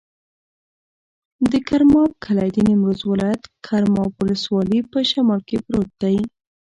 د ګرماب کلی د نیمروز ولایت، ګرماب ولسوالي په شمال کې پروت دی.